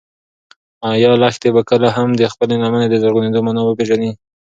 ایا لښتې به کله هم د خپلې لمنې د زرغونېدو مانا وپېژني؟